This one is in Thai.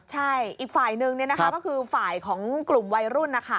ใช่อีกฝ่ายนึงก็คือฝ่ายของกลุ่มวัยรุ่นนะคะ